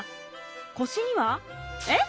腰にはえっ？